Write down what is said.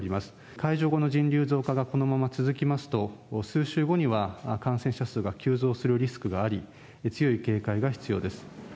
解除後の人流増加がこのまま続きますと数週後には感染者数が急増するリスクがあり、強い警戒が必要です。